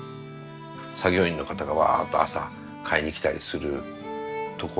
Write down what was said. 作業員の方がわっと朝買いにきたりするところとか。